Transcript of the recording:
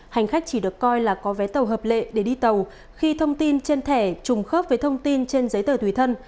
hành khách chỉ được coi là có vé tàu hợp lệ để đi tàu khi thông tin trên thẻ trùng khớp với thông tin trên giấy tờ tùy thân